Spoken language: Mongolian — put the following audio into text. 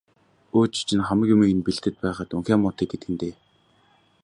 Өө, чи чинь хамаг юмыг нь бэлдээд байхад унхиа муутай гэдэг нь дээ.